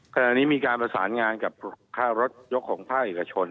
ขณะนี้มีการประสานงานกับค่ารถยกของภาคเอกชน